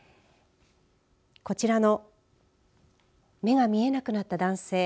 こちらの目が見えなくなった男性。